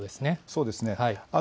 そうですね。